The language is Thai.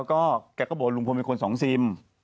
แกก็บ่นลุงพลมีคนสองซิม